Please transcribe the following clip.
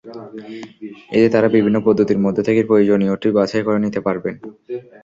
এতে তাঁরা বিভিন্ন পদ্ধতির মধ্য থেকে প্রয়োজনীয়টি বাছাই করে নিতে পারবেন।